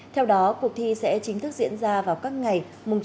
theo đó cuộc thi sẽ chính thức diễn ra vào các ngày chín một mươi một mươi một tám